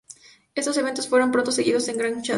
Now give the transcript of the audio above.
Estos eventos fueron pronto seguidos del Gran Chasco.